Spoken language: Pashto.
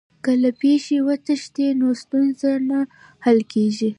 که له پېښي وتښتې نو ستونزه نه حل کېږي.